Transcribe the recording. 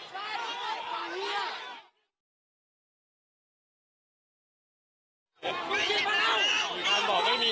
บอกได้ไม่มีน้ำเนี่ย